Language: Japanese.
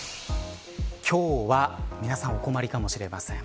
今日は皆さんお困りかもしれません。